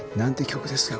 曲ですか？